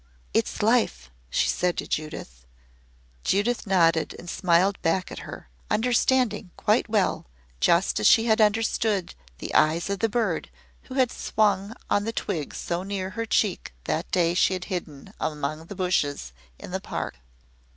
"It's Life," she said to Judith. Judith nodded and smiled back at her, understanding quite well just as she had understood the eyes of the bird who had swung on the twig so near her cheek the day she had hidden among the bushes in the Park.